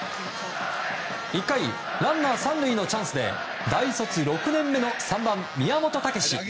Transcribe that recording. １回、ランナー３塁のチャンスで大卒６年目の３番、宮本丈。